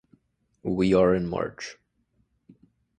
We are in March.